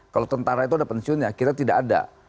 kalau tentara itu ada pensiunnya kita tidak ada